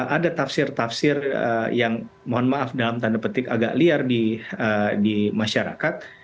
ada tafsir tafsir yang mohon maaf dalam tanda petik agak liar di masyarakat